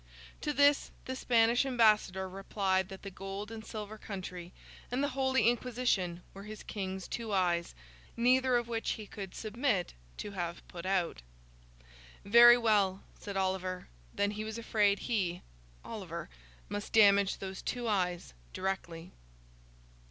To this, the Spanish ambassador replied that the gold and silver country, and the Holy Inquisition, were his King's two eyes, neither of which he could submit to have put out. Very well, said Oliver, then he was afraid he (Oliver) must damage those two eyes directly.